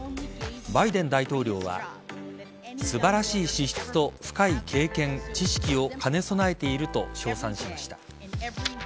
バイデン大統領は素晴らしい資質と深い経験知識を兼ね備えていると称賛しました。